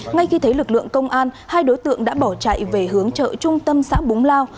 ngay khi thấy lực lượng công an hai đối tượng đã bỏ chạy về hướng chợ trung tâm xã búng lao